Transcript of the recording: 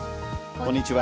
こんにちは。